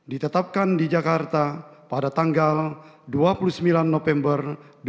ditetapkan di jakarta pada tanggal dua puluh sembilan november dua ribu dua puluh